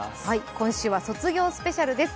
今週は卒業スペシャルです。